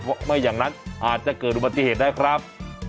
เพราะไม่อย่างนั้นอาจจะเกิดอุบัติเหตุได้ครับ